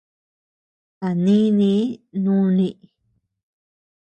A nínii núni.